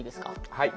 はい。